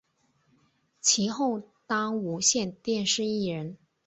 其后当无线电视艺人。